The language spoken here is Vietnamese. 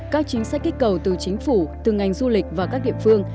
các chính sách kích cầu từ chính phủ từ ngành du lịch và các địa phương